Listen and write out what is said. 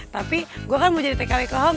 tapi gua kan mau jadi tkw kohong